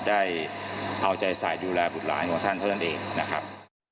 ได้เอาใจสายดูแลบุตรหลานของท่านเท่านั้นเองนะครับ